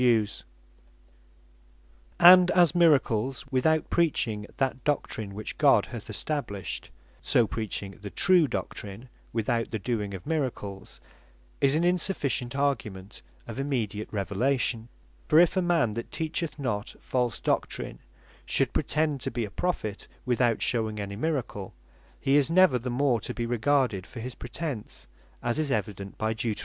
The Marks Of A Prophet In The Old Law, Miracles, And Doctrine Conformable To The Law And as Miracles, without preaching that Doctrine which God hath established; so preaching the true Doctrine, without the doing of Miracles, is an unsufficient argument of immediate Revelation. For if a man that teacheth not false Doctrine, should pretend to bee a Prophet without shewing any Miracle, he is never the more to bee regarded for his pretence, as is evident by Deut.